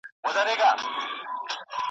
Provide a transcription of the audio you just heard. چي د دې په بچو موړ وو پړسېدلې.